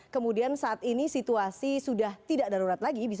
kemudian saat ini situasi sudah tidak darurat lagi